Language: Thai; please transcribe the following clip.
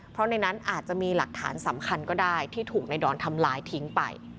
เพราะในนั้นอาจจะมีหลักฐานสำคัญก็ได้ที่ถูกในดอนทำร้ายทิ้งไป